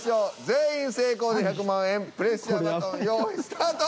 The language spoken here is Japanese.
全員成功で１００万円プレッシャーバトン用意スタート。